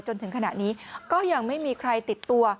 จนถึงขณะนี้ก็ยังไม่มีใครติดตัว